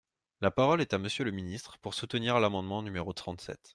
La parole est à Monsieur le ministre, pour soutenir l’amendement numéro trente-sept.